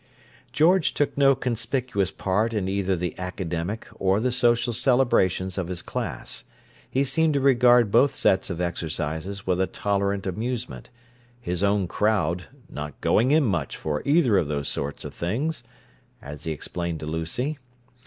George took no conspicuous part in either the academic or the social celebrations of his class; he seemed to regard both sets of exercises with a tolerant amusement, his own "crowd" "not going in much for either of those sorts of things," as he explained to Lucy.